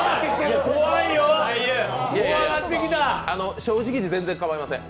正直で全然構いません。